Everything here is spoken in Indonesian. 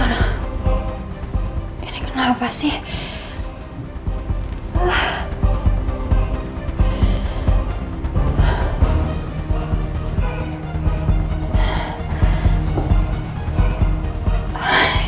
aduh ini kenapa sih